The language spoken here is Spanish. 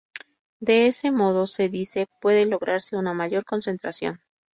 De ese modo, se dice, puede lograrse una mayor concentración.